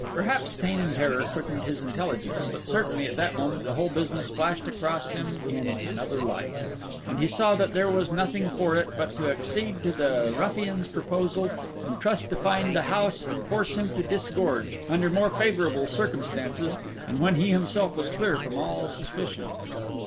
Perhaps pain and terror quickened his intelligence, but certainly at that moment the whole business flashed across him in another light; and he saw that there was nothing for it but to accede to the ruffian's proposal, and trust to find the house and force him to disgorge, under more favourable circumstances, and when he himself was clear from all suspicion.